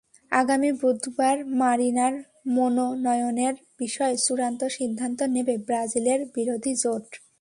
আগামী বুধবার মারিনার মনোনয়নের বিষয়ে চূড়ান্ত সিদ্ধান্ত নেবে ব্রাজিলের বিরোধী জোট।